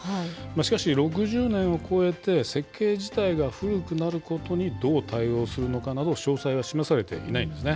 しかし、６０年を超えて、設計自体が古くなることにどう対応するのかなど、詳細は示されていないんですね。